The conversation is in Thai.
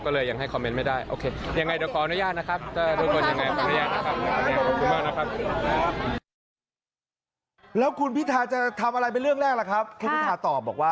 ตอนนี้มีการเปิดออกมาประมาณ๘ประเด็นนะคะ